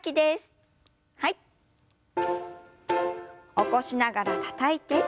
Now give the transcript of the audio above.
起こしながらたたいて。